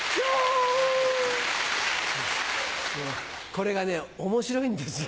これがね面白いんですよ。